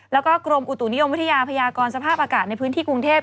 แล้วก็กรมอุตุนิยมวิทยาพยากรสภาพอากาศในพื้นที่กรุงเทพ